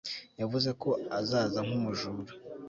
yavuze ko azaza nk'umujura